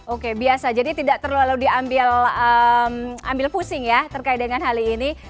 oke biasa jadi tidak terlalu diambil pusing ya terkait dengan hal ini